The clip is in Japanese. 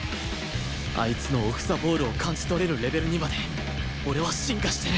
あいつのオフ・ザ・ボールを感じ取れるレベルにまで俺は進化してる！